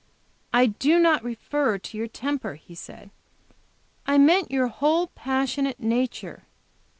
"I did not refer to your temper," he said. "I meant your whole passionate nature.